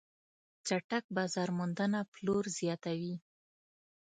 چټک بازار موندنه پلور زیاتوي.